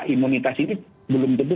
imunitas ini belum tentu